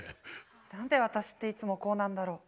何で私っていつもこうなんだろ。